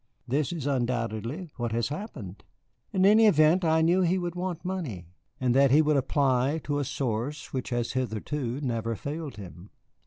This is undoubtedly what has happened. In any event, I knew that he would want money, and that he would apply to a source which has hitherto never failed him."